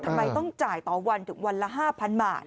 ทำไมต้องจ่ายต่อวันถึงวันละ๕๐๐บาท